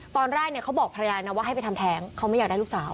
ตอนแรกเนี่ยเขาบอกภรรยานะว่าให้ไปทำแท้งเขาไม่อยากได้ลูกสาว